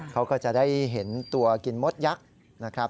เขาก็จะได้เห็นตัวกินมดยักษ์